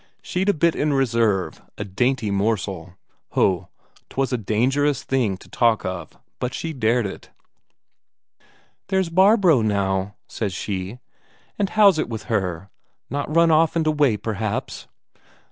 She'd a bit in reserve, a dainty morsel. Ho, 'twas a dangerous thing to talk of, but she dared it. "There's Barbro now," says she. "And how's it with her? Not run off and away, perhaps?"